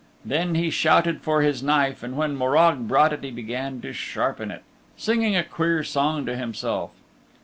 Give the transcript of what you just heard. Then he shouted for his knife and when Morag brought it he began to sharpen it, singing a queer song to himself.